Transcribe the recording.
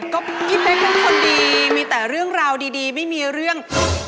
ก็พี่เป๊กเป็นคนดีมีแต่เรื่องราวดีไม่มีเรื่อง